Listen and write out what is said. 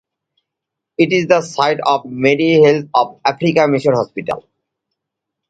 It is the site of Mary Health of Africa mission hospital.